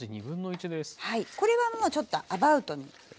これはもうちょっとアバウトに。